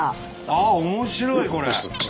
あっ面白いこれ。